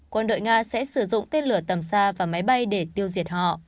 quân đội nga sẽ sử dụng tên lửa tầm xa và máy bay để tiêu diệt họ